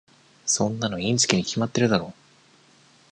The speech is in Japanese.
そんなのインチキに決まってるだろ。